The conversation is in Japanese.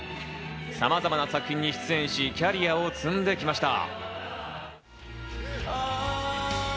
さまざまな作品に出演し、キャリアを積んできました。